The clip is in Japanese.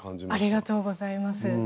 ありがとうございます。